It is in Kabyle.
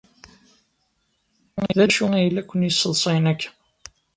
D acu ay la ken-yesseḍsayen akka?